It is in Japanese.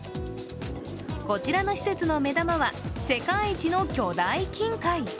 こちらの施設の目玉は世界一の巨大金塊。